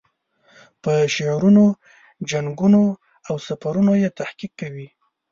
په شعرونو، جنګونو او سفرونو یې تحقیق کوي.